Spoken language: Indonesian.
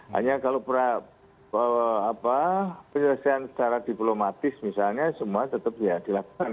hanya kalau penyelesaian secara diplomatis misalnya semua tetap ya dilakukan